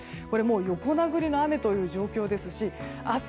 横殴りの雨という状況ですし明日